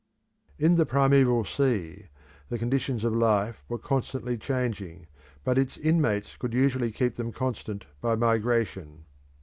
In the primeval sea the conditions of life were constantly changing, but its inmates could usually keep them constant by migration.